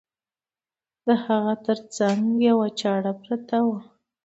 د هغه تر څنګ یوه چاړه پرته وه.